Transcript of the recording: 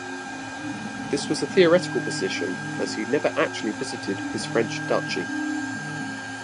This was a theoretical position, as he never actually visited his French duchy.